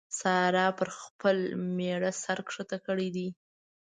سارا پر خپل مېړه سر کښته کړی دی.